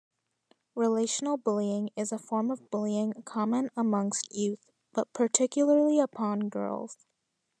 Relational Bullying is a form of bullying common amongst youth, but particularly upon girls.